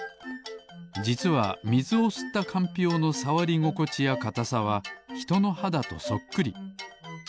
じつはみずをすったかんぴょうのさわりごこちやかたさはひとのはだとそっくり。